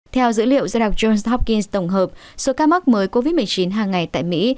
theo dữ liệu do đặc johns hopkins tổng hợp số ca mắc mới covid một mươi chín hàng ngày tại mỹ